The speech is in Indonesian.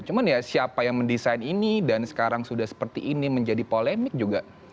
cuman ya siapa yang mendesain ini dan sekarang sudah seperti ini menjadi polemik juga